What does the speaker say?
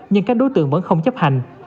nhưng các đối tượng vẫn không chấp hành